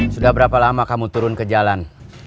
sudah berapa lama kamu turun ke jalan